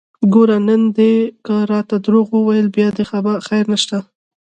ګوره نن دې که راته دروغ وويل بيا دې خير نشته!